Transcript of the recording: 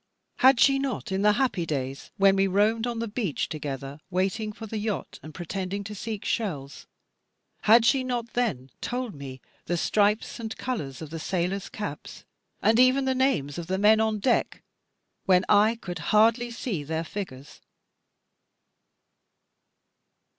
Had she not in the happy days, when we roamed on the beach together, waiting for the yacht and pretending to seek shells, had she not then told me the stripes and colours of the sailors' caps, and even the names of the men on deck, when I could hardly see their figures?